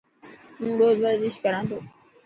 هون روز ورزش ڪران ٿو.